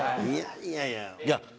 いやいやいや。